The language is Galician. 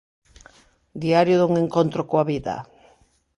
Diario dun encontro coa vida.